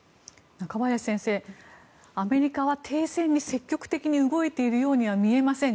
中林先生、アメリカは停戦に積極的に動いているようには見えません。